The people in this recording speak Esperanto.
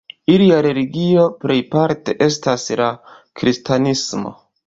Ilia religio plejparte estas la kristanismo.